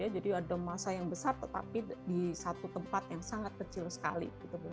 jadi ada masa yang besar tetapi di satu tempat yang sangat kecil sekali